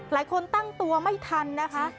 หลายคนตั้งตัวไม่ทันนะคะ